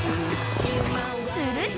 ［すると］